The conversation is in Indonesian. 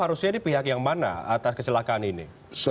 harusnya ini pihak yang mana atas kecelakaan ini